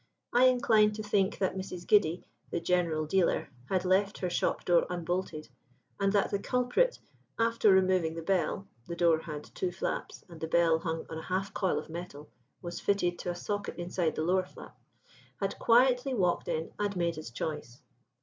I incline to think that Mrs. Giddy, the general dealer, had left her shop door unbolted, and that the culprit, after removing the bell the door had two flaps, and the bell, hung on a half coil of metal, was fitted to a socket inside the lower flap had quietly walked in and made his choice.